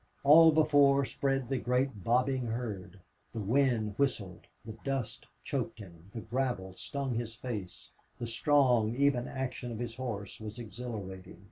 All before spread the great bobbing herd. The wind whistled, the dust choked him, the gravel stung his face, the strong, even action of his horse was exhilarating.